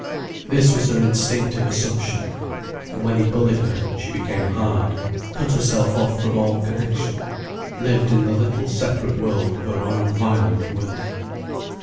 This was her instinctive assumption. And when he bullied her, she became hard, cut herself off from all connection, lived in the little separate world of her own violent will.